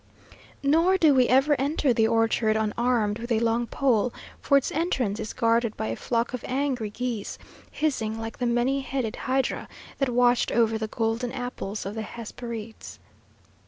Nor do we ever enter the orchard unarmed with a long pole, for its entrance is guarded by a flock of angry geese, hissing like the many headed Hydra that watched over the golden apples of the Hesperides.